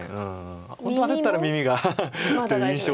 本当に焦ったら耳がという印象。